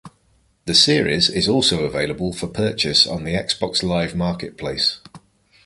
The series is also available for purchase on the Xbox Live Marketplace.